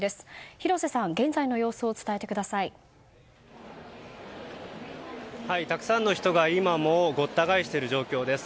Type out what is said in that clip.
広瀬さん、現在の様子をたくさんの人が今もごった返している状況です。